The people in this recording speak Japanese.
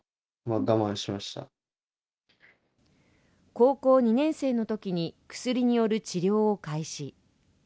高校２年生のときに薬による治療を開始。